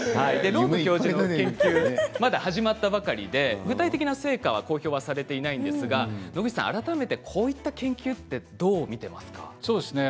研究は始まったばかりで具体的な成果は公表されていないんですが改めてこういう研究はどう見ていますか。